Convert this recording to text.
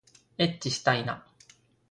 えっちしたいな